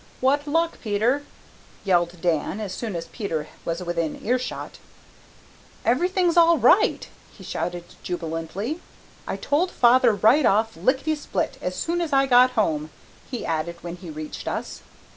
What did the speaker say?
"What luck, Peter?" yelled Dan, as soon as Peter was within earshot. "Everything's all right," he shouted jubilantly. "I told father right off, licketty split, as soon as I got home," he added when he reached us.